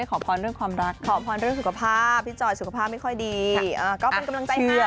กลุ่มผู้ชมค่ะ